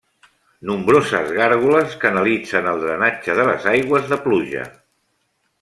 Nombroses gàrgoles canalitzen el drenatge de les aigües de pluja.